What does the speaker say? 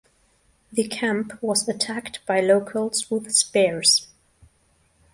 The camp was attacked by locals with spears.